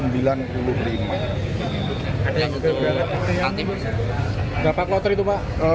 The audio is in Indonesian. berapa kloter itu pak